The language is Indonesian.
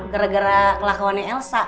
gara gara kelakauannya elsa